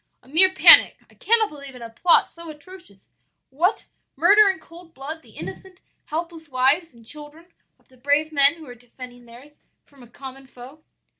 'A mere panic. I cannot believe in a plot so atrocious. What! murder in cold blood the innocent, helpless wives and children of the brave men who are defending theirs from a common foe?